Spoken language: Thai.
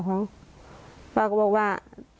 พ่อก็บอกว่า